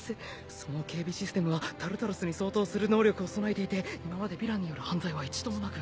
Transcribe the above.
その警備システムはタルタロスに相当する能力を備えていて今までヴィランによる犯罪は一度もなく。